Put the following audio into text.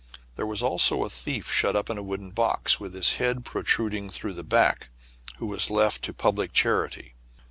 There was also a thief shut up in a wooden box, with his head protruding through the back, who was left to pub lic charity.